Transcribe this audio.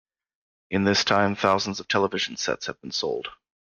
In this time thousands of television sets had been sold.